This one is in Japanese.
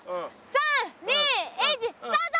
３２１スタート！